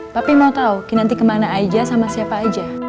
pak wali kota mau tau kinanti kemana aja sama siapa aja